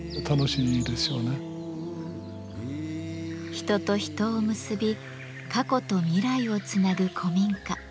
人と人を結び過去と未来をつなぐ古民家。